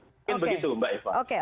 mungkin begitu mbak eva